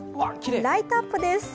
ライトアップです。